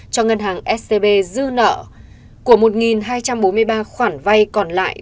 cho ngân hàng scb dư nợ của một hai trăm bốn mươi ba khoản vay còn lại